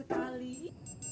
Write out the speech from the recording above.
aduh pambut tuh